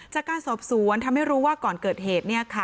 จากการสอบสวนทำให้รู้ว่าก่อนเกิดเหตุ